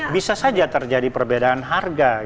bisa saja terjadi perbedaan harga